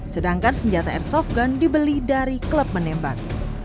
sedangkan senjata airsoft gun dibeli dari klub menembak